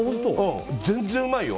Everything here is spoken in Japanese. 全然うまいよ！